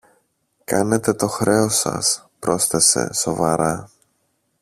Κάνετε το χρέος σας, πρόσθεσε σοβαρά.